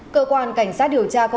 cơ quan cảnh sát điều tra công an